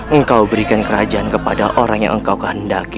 engkau muliakan orang yang engkau kendaki